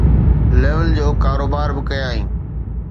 level جو ڪاروبار به ڪيائين